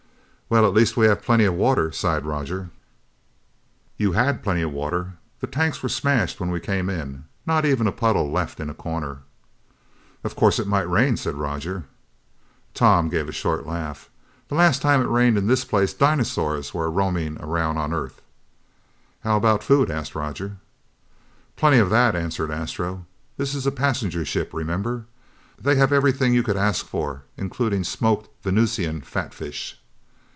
"Well, at least we have plenty of water," sighed Roger. "You had plenty of water. The tanks were smashed when we came in. Not even a puddle left in a corner." "Of course it might rain," said Roger. Tom gave a short laugh. "The last time it rained in this place dinosaurs were roaming around on Earth!" "How about food?" asked Roger. "Plenty of that," answered Astro. "This is a passenger ship, remember! They have everything you could ask for, including smoked Venusian fatfish!"